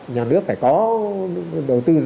nhà nước phải có đầu tư